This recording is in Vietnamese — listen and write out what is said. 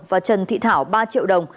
và trần thị thảo ba triệu đồng